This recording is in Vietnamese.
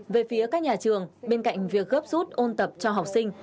về phía các nhà trường bên cạnh việc gấp rút ôn tập cho học sinh